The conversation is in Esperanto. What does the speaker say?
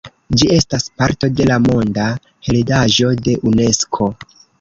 Ĝi estas parto de la Monda heredaĵo de Unesko.